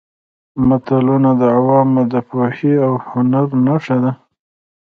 متلونه د عوامو د پوهې او هنر نښه ده